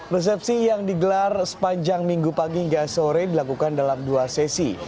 resepsi yang digelar sepanjang minggu pagi hingga sore dilakukan dalam dua sesi